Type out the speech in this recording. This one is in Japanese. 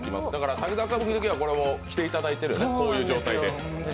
「滝沢歌舞伎」のときも来ていただいている、こういう状態で。